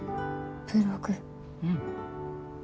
うん。